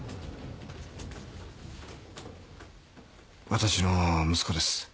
私の息子です。